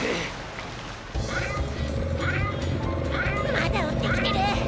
まだおってきてる！